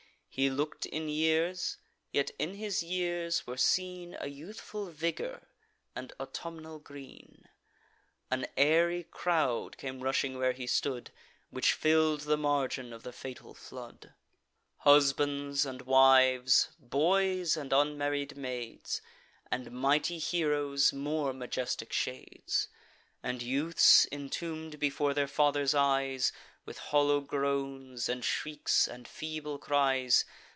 He look'd in years; yet in his years were seen A youthful vigour and autumnal green. An airy crowd came rushing where he stood, Which fill'd the margin of the fatal flood: Husbands and wives, boys and unmarried maids, And mighty heroes' more majestic shades, And youths, intomb'd before their fathers' eyes, With hollow groans, and shrieks, and feeble cries.